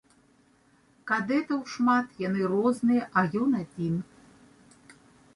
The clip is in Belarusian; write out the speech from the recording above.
Кадэтаў шмат, яны розныя, а ён адзін.